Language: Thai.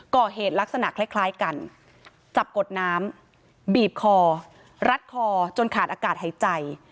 ก่อเหตุลักษณะคล้ายกันจับกดน้ำบีบคอรัดคอจนขาดอากาศหายใจ